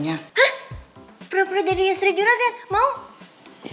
jambu terbuka dia orang gue sagtinya